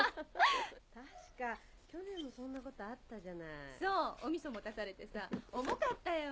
・確か去年もそんなことあったじゃない・・そうお味噌持たされてさ重かったよ